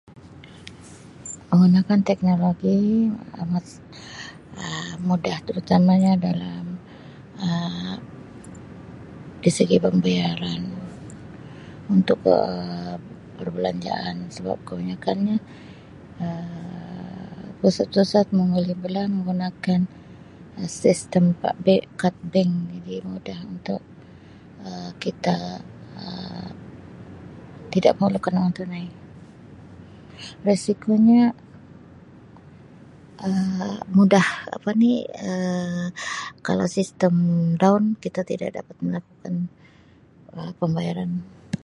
Menggunakan teknologi amat Um mudah terutamanya dalam Um dari segi pembayaran untuk Um perbelanjaan sebab kebanyakan nya Um pusat-pusat membeli belah menggunakan Um sistem [unintelligible] kad bank jadi mudah untuk Um kita Um tidak memerlukan wang tunai risikonya Um mudah apa ni Um kalau sistem down kita tidak dapat melakukan Um pembayaran.